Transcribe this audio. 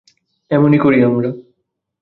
এমন-ই করি আমরা।